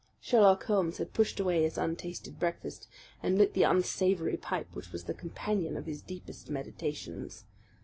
Sherlock Holmes had pushed away his untasted breakfast and lit the unsavoury pipe which was the companion of his deepest meditations.